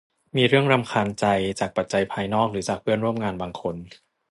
มีเรื่องรำคาญใจจากปัจจัยภายนอกหรือจากเพื่อนร่วมงานบางคน